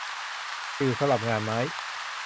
สิ่วสำหรับงานไม้